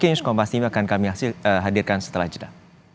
yang pasti akan kami hadirkan setelah jeda